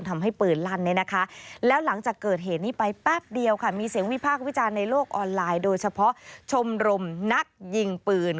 มีเสียงวิพากษ์วิจารณ์ในโลกออนไลน์โดยเฉพาะชมรมนักยิงปืน